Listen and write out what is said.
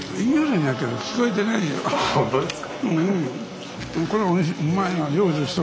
本当ですか？